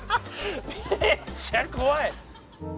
めっちゃ怖い！